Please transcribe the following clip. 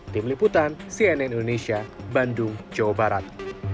tim liputan cnn indonesia bandung jawa barat